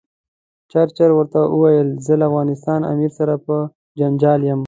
چرچل ورته وویل زه له افغانستان امیر سره په جنجال یم.